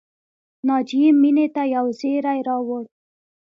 ناجیې مینې ته یو زېری راوړ